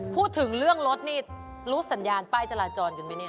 พูดถึงเรื่องรถนี่รู้สัญญาณป้ายจราจรกันไหมเนี่ย